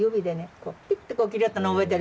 こうぴっとこう切りよったのを覚えてる。